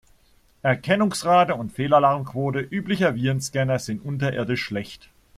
Erkennungsrate und Fehlalarmquote üblicher Virenscanner sind unterirdisch schlecht.